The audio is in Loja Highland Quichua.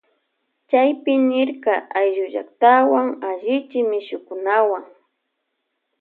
Chaypi nirka ayllullaktawan allichi mishukunawuan.